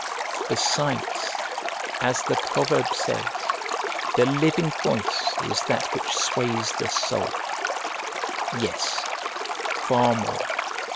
Besides, as the proverb says, "The living voice is that which sways the soul;" yes, far more.